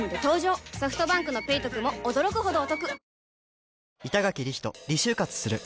ソフトバンクの「ペイトク」も驚くほどおトク